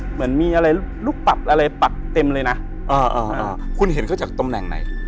เหมือนมีอะไรลูกปรับอะไรปักเต็มเลยนะคุณเห็นเขาจากตำแหน่งไหน